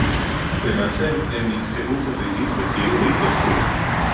למעשה הם נתקעו חזיתית בקיר והתרסקו